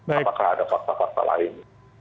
apakah ada fakta fakta lain